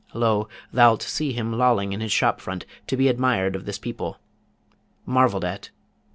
Lo, thou'lt see him lolling in his shop front to be admired of this people marvelled at.